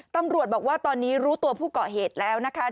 ตำรวจบอกว่าตอนนี้รู้ตัวผู้เกาะเหตุแล้วนะคะ